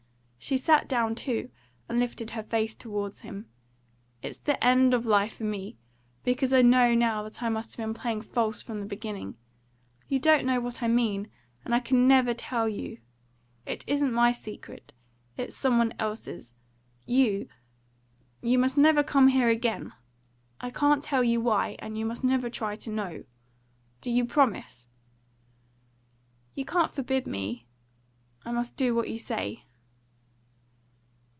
She sat down too, and lifted her face towards him. "It's the end of life for me, because I know now that I must have been playing false from the beginning. You don't know what I mean, and I can never tell you. It isn't my secret it's some one else's. You you must never come here again. I can't tell you why, and you must never try to know. Do you promise?" "You can forbid me. I must do what you say."